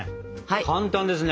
簡単ですね。